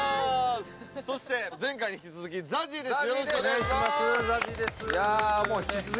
前回に引き続き、ＺＡＺＹです。